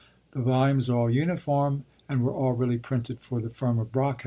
The volumes are all uniform, and were all really printed for the firm of Brockhaus.